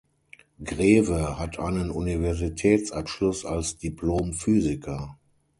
Greve hat einen Universitätsabschluss als Diplom-Physiker.